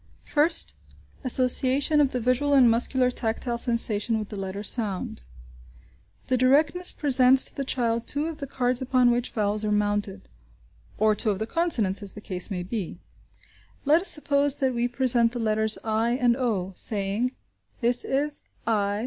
First. Association of the visual and muscular tactile sensation with the letter sound. The directress presents to the child two of the cards upon which vowels are mounted (or two of the consonants, as the case may be). Let us suppose that we present the letters i and o, saying, "This is i!